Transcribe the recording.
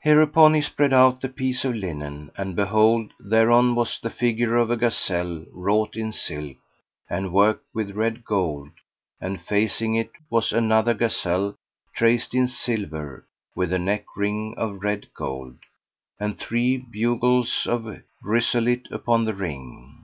Hereupon, he spread out the piece of linen, and behold, thereon was the figure of a gazelle wrought in silk and worked with red gold, and facing it was another gazelle traced in silver with a neck ring of red gold and three bugles[FN#480] of chrysolite upon the ring.